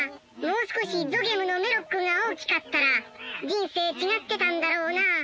もう少しゾゲムのメロックが大きかったら人生違ってたんだろうなあ。